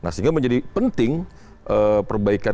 sehingga menjadi penting perbaikan